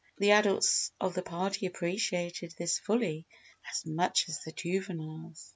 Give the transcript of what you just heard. The adults of the party appreciated this fully as much as the juveniles.